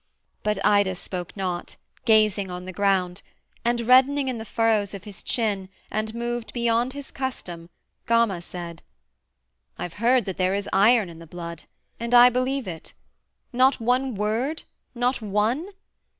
But Ida spoke not, gazing on the ground, And reddening in the furrows of his chin, And moved beyond his custom, Gama said: 'I've heard that there is iron in the blood, And I believe it. Not one word? not one?